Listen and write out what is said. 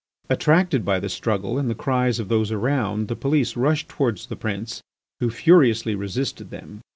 Attracted by the struggle and the cries of those around, the police rushed towards the prince, who furiously resisted them.